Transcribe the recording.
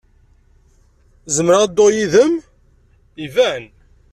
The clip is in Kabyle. Zemreɣ ad dduɣ yid-m? Iban!